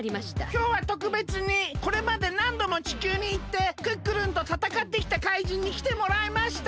きょうはとくべつにこれまでなんども地球にいってクックルンとたたかってきた怪人にきてもらいました。